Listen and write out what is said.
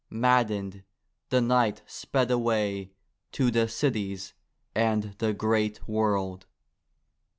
Maddened, the knight sped away to the cities and the great world.